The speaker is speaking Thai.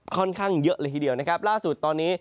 ค่อนข้างเยอะเลยทีเดียวนะครับล่าสุดตอนนี้